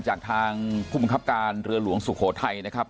จากทางผู้บังคับการเรือหลวงสุโขทัยนะครับ